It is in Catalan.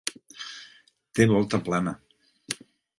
Té volta plana.